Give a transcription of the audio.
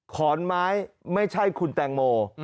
ขอนไม้ไม่ใช่คุณแตงโม